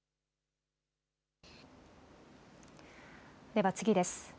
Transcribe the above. では次です。